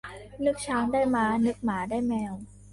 นึกช้างได้ม้า นึกหมาได้แมว